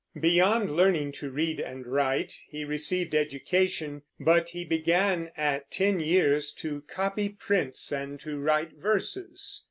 Beyond learning to read and write, he received education; but he began, at ten years, to copy prints and to write verses.